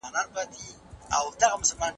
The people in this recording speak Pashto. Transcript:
سیاست باید په حقیقت ولاړ وي.